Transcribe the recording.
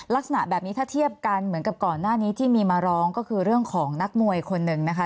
ลักษณะแบบนี้ถ้าเทียบกันเหมือนกับก่อนหน้านี้ที่มีมาร้องก็คือเรื่องของนักมวยคนหนึ่งนะคะ